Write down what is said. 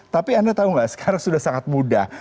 tapi anda tahu nggak sekarang sudah sangat mudah